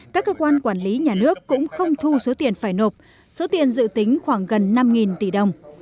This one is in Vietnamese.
các cơ quan quản lý nhà nước cũng không thu số tiền phải nộp số tiền dự tính khoảng gần năm tỷ đồng